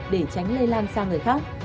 để tránh lây lan sang người khác